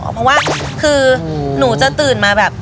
เพราะว่าคือหนูจะตื่นมาแบบ